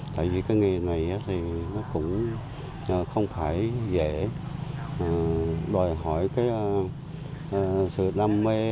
tại vì cái nghề này thì nó cũng không phải dễ đòi hỏi cái sự đam mê